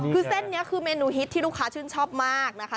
คือเส้นนี้คือเมนูฮิตที่ลูกค้าชื่นชอบมากนะคะ